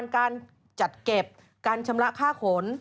การจัดเก็บการชำระค่าขน